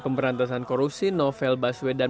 pemberantasan korupsi novel baswedan